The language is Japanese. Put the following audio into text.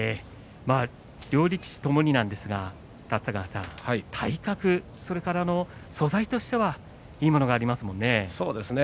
両力士ともになんですが体格それから素材としてはいいものがありますものね。